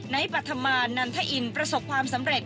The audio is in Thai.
ปัธมานันทอินประสบความสำเร็จ